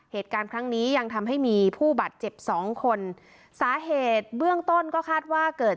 เหตุการณ์ครั้งนี้ยังทำให้มีผู้บาดเจ็บสองคนสาเหตุเบื้องต้นก็คาดว่าเกิด